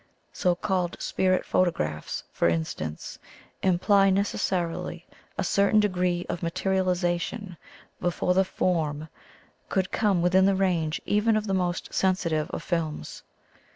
So called spirit photographs, for instance, imply necessarily a certain de gree of materialization before the 'form' could come within the range even of the most sensitive of films.